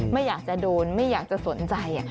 ไม่อยากจะโดนไม่อยากจะสนใจ